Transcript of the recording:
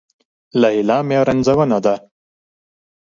ليلا مې رنځونه ده